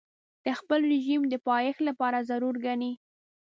د خپل رژیم د پایښت لپاره ضرور ګڼي.